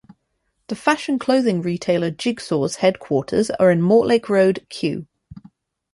The fashion clothing retailer Jigsaw's headquarters are in Mortlake Road, Kew.